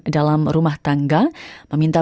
dalam rumah tangga meminta